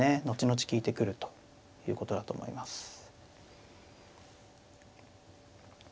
後々利いてくるということだと思います。